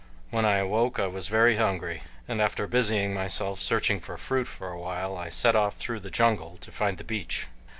When I awoke I was very hungry, and after busying myself searching for fruit for a while, I set off through the jungle to find the beach.